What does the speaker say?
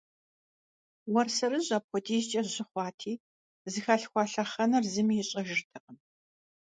Уэрсэрыжь апхуэдизкӀэ жьы хъуати, зыхалъхуа лъэхъэнэр зыми ищӀэжыртэкъым.